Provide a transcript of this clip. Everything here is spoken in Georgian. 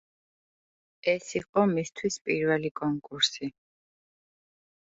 ეს იყო მისთვის პირველი კონკურსი.